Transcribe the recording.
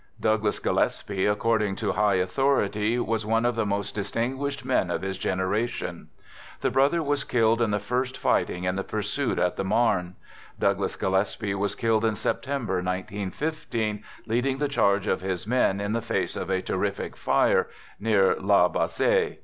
Douglas Gillespie, ac cording to high authority, was " one of the most dis tinguished men of his generation." The brother ^jas killed in the first fighting in the pursuit at the Marne. Douglas Gillespie was killed in September, *9i5> leading the charge of his men in the face of a terrific fire near La Bassee.